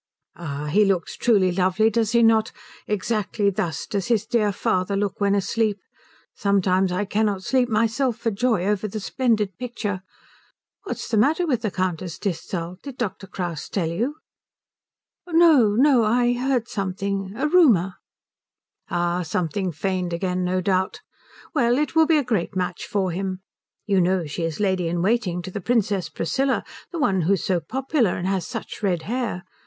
"Ah, he looks truly lovely, does he not. Exactly thus does his dear father look when asleep. Sometimes I cannot sleep myself for joy over the splendid picture. What is the matter with the Countess Disthal? Did Dr. Kraus tell you?" "No, no. I I heard something a rumour." "Ah, something feigned again, no doubt. Well, it will be a great match for him. You know she is lady in waiting to the Princess Priscilla, the one who is so popular and has such red hair?